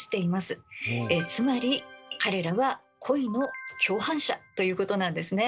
つまり彼らは恋の共犯者ということなんですね。